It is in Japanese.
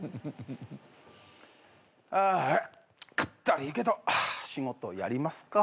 ああかったりいけど仕事やりますか。